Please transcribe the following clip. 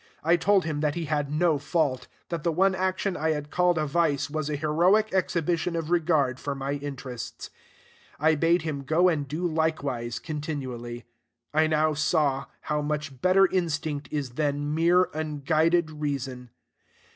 I told him that he had no fault; that the one action that I had called a vice was an heroic exhibition of regard for my interests. I bade him go and do likewise continually. I now saw how much better instinct is than mere unguided reason.